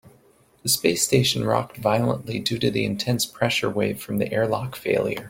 The space station rocked violently due to the intense pressure wave from the airlock failure.